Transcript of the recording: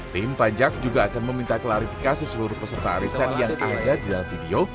tim pajak juga akan meminta klarifikasi seluruh peserta arisan yang ada di dalam video